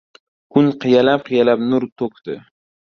Kun qiyalab-qiyalab nur to‘kdi.